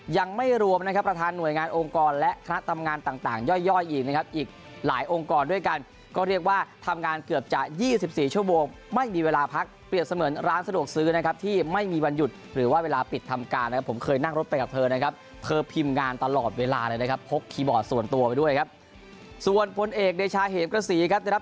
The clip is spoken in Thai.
ยังไม่รวมนะครับประธานหน่วยงานองค์กรและคณะทำงานต่างย่อยอีกนะครับอีกหลายองค์กรด้วยกันก็เรียกว่าทำงานเกือบจะ๒๔ชั่วโมงไม่มีเวลาพักเปรียบเสมือนร้านสะดวกซื้อนะครับที่ไม่มีวันหยุดหรือว่าเวลาปิดทำการนะครับผมเคยนั่งรถไปกับเธอนะครับเธอพิมพ์งานตลอดเวลาเลยนะครับพกคีย์บอร์ดส่วนตัวไปด้วยครับส่วนพลเอกเดชาเหมกระสีครับได้รับ